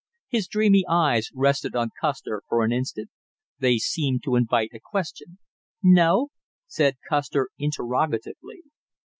His dreamy eyes rested on Custer for an instant; they seemed to invite a question. "No?" said Custer interrogatively.